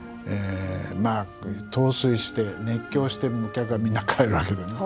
まあ陶酔して熱狂してお客がみんな帰るわけでね。